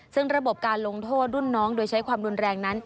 ซึ่งระบบการลงโทษรุ่นน้องโดยใช้ความรุนแรงนั้น